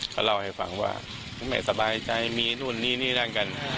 เขาเล่าให้ฟังว่าไม่สบายใจมีนู่นนี่นี่นั่นกัน